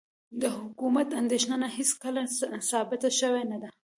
د حکومت اندېښنه هېڅکله ثابته شوې نه ده.